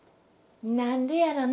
何でやろな。